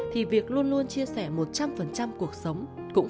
thì việc luôn luôn chia sẻ một trăm linh cuộc sống cũng